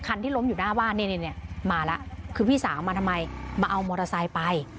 ที่ล้มอยู่หน้าบ้านนี่มาแล้วคือพี่สาวมาทำไมมาเอามอเตอร์ไซค์ไป